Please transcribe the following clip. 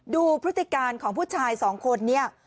พฤติการของผู้ชายสองคนนี้